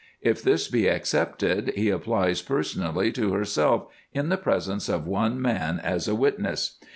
If this be accepted, he applies personally to herself, in the presence of one man as a witness.